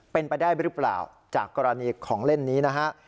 เป็นไปได้หรือเปล่าจากกรณีของเล่นนี้นะฮะ